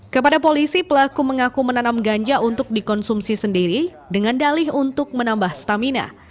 kepada polisi pelaku mengaku menanam ganja untuk dikonsumsi sendiri dengan dalih untuk menambah stamina